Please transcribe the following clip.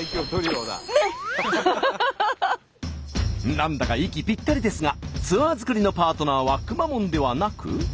何だか息ぴったりですがツアー作りのパートナーはくまモンではなく。